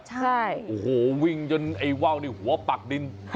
ใช่โอ้โหวิ่งจนไอ้ว่าวนี่หัวปักดิน